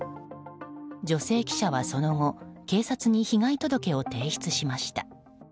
女性記者は、その後警察に被害届を提出しました。